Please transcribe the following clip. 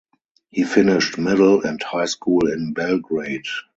He finished middle and high school in Belgrade.